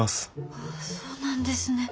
ああそうなんですね。